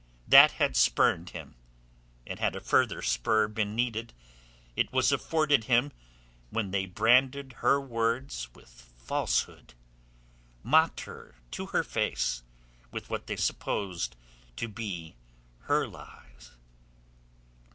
That had spurred him, and had a further spur been needed, it was afforded him when they branded her words with falsehood, mocked her to her face with what they supposed to be her lies.